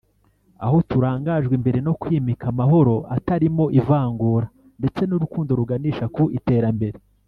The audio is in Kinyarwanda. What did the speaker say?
aho turangajwe imbere no kwimika amahoro atarimo ivangura ndetse n’urukundo ruganisha ku iterambere”